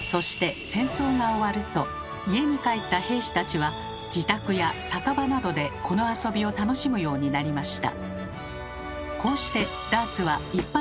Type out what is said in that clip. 家に帰った兵士たちは自宅や酒場などでこの遊びを楽しむようになりました。